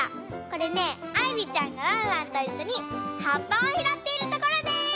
これねあいりちゃんがワンワンといっしょにはっぱをひろっているところです！